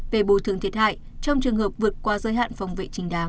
về bồi thường thiệt hại trong trường hợp vượt qua giới hạn phòng vệ trình đáng